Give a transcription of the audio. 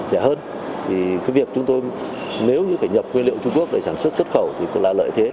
rẻ hơn thì cái việc chúng tôi nếu như phải nhập nguyên liệu trung quốc để sản xuất xuất khẩu thì phải là lợi thế